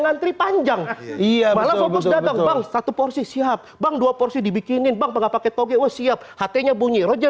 fokus dagang bang satu porsi siap bang dua porsi dibikinin bang pakai toge siap hatinya bunyi roger